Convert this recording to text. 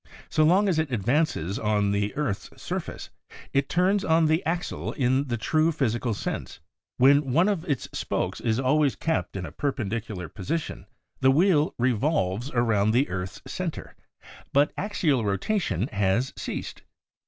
So long as it ad vances on the earth's surface it turns on the axle in the true physi cal sense ; when one of its spokes is always kept in a perpendicular position the wheel still revolves about the earth's center, but axial rotation has ceased.